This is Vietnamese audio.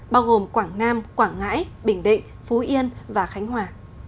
bao gồm quảng nam quảng ngãi bình định phú yên và khánh hòa